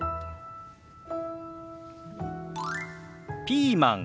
「ピーマン」。